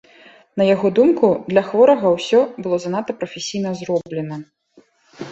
На яго думку, для хворага ўсё было занадта прафесійна зроблена.